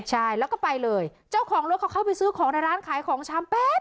ใช่แล้วก็ไปเลยเจ้าของรถเขาเข้าไปซื้อของในร้านขายของชำแป๊บ